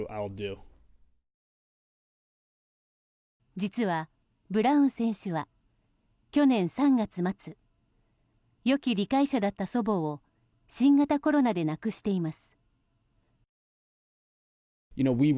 実は、ブラウン選手は去年３月末よき理解者だった祖母を新型コロナで亡くしています。